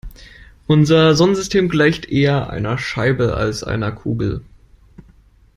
Unser Sonnensystem gleicht eher einer Scheibe als einer Kugel.